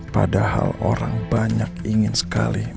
padahal orang banyak ingin sekali